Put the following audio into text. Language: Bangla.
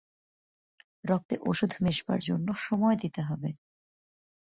রক্তে অষুধ মেশবার জন্যে সময় দিতে হবে।